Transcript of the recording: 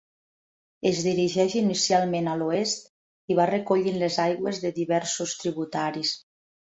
Es dirigeix inicialment a l'oest i va recollint les aigües de diversos tributaris.